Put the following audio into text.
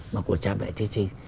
mà của cha mẹ chí sinh